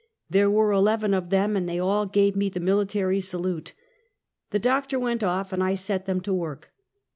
There were eleven of them, and they all gave me the military salute. The doctor went oft', and I set them to work.